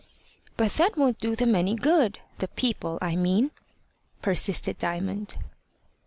"But that won't do them any good the people, I mean," persisted Diamond.